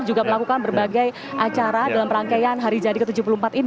juga melakukan berbagai acara dalam rangkaian hari jadi ke tujuh puluh empat ini